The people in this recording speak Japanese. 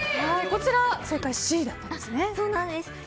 こちら正解Ｃなんですね。